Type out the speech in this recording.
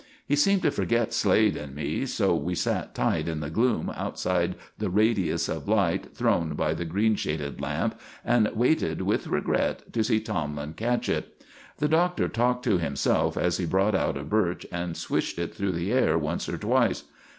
He seemed to forget Slade and me, so we sat tight in the gloom outside the radius of light thrown by the green shaded lamp, and waited with regret to see Tomlin catch it. The Doctor talked to himself as he brought out a birch and swished it through the air once or twice.